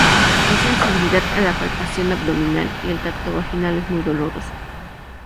Hay sensibilidad a la palpación abdominal, y el tacto vaginal es muy doloroso.